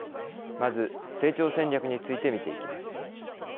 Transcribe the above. まず成長戦略についてみていきます。